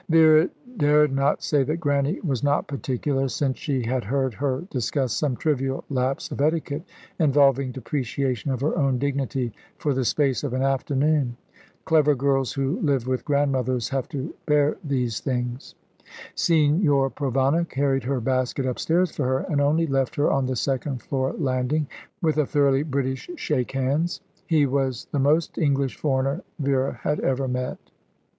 Vera dared not say that Grannie was not particular, since she had heard her discuss some trivial lapse of etiquette, involving depreciation of her own dignity, for the space of an afternoon. Clever girls who live with grandmothers have to bear these things. Signor Provana carried her basket upstairs for her, and only left her on the second floor landing, with a thoroughly British shake hands. He was the most English foreigner Vera had ever met.